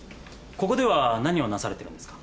ここでは何をなされてるんですか？